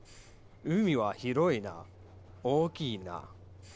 「海は広いな大きいな」。